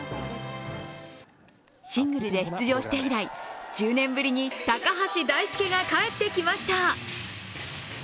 シングルで出場して以来１０年ぶりに高橋大輔が帰ってきました。